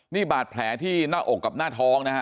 นี่บาดแผลที่หน้าอกกับหน้าท้องนะฮะ